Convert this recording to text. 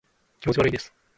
気持ち悪いです